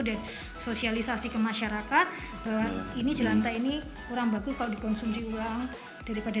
dan sosialisasi ke masyarakat ini jelantah ini kurang bagus kalau dikonsumsi uang daripada